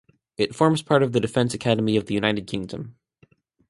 It forms part of the Defence Academy of the United Kingdom.